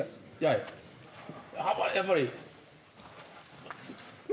やっぱり。